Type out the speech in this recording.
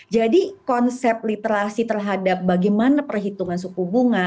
jadi konsep literasi terhadap bagaimana perhitungan suku bunga